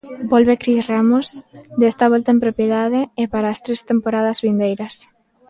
Volve Cris Ramos, desta volta en propiedade e para as tres temporadas vindeiras.